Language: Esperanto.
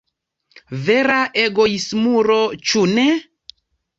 Vera egoismulo, ĉu ne?